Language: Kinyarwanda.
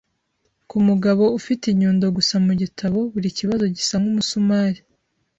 Ku mugabo ufite inyundo gusa mu gitabo, buri kibazo gisa n'umusumari.